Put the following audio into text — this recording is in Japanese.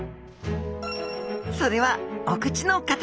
それはお口の形。